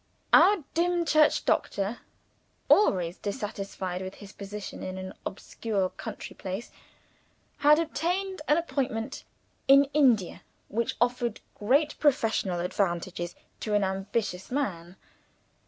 Our Dimchurch doctor, always dissatisfied with his position in an obscure country place, had obtained an appointment in India which offered great professional advantages to an ambitious man.